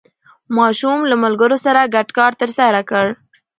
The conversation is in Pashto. ماشوم له ملګرو سره ګډ کار ترسره کړ